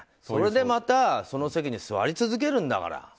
それでまたその席に座り続けるんだから。